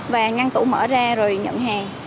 và ngăn tủ mở ra rồi nhận hàng